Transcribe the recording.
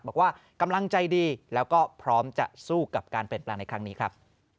บอกว่ากำลังใจดีแล้วก็พร้อมจะสู้กับการเปลี่ยนแปลงในครั้งนี้ครับ